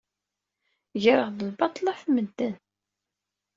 Greɣ-d lbaṭel ɣef medden.